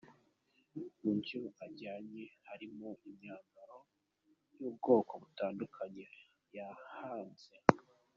Mu byo ajyanye harimo imyambaro y’ubwoko butandukanye yahanze.